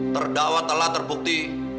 terdakwa telah terbukti